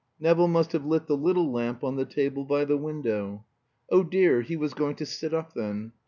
Nevill must have lit the little lamp on the table by the window. (Oh, dear! He was going to sit up, then.)